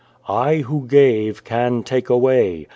" I, who gave, can take away.